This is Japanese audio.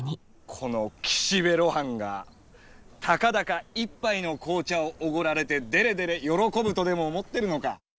この岸辺露伴がたかだか一杯の紅茶を奢られてデレデレ喜ぶとでも思ってるのかッ